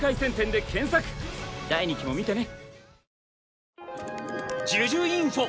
第２期も見てね！